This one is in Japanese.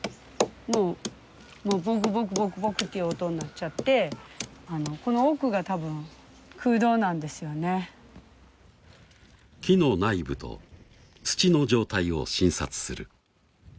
もうボクボクボクボクっていう音になっちゃってあの多分木の内部と土の状態を診察する